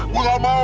gua ga mau